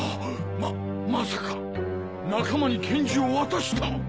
ままさか仲間に拳銃を渡した？